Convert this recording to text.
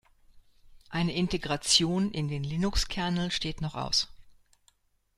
Eine Integration in den Linuxkernel steht noch aus.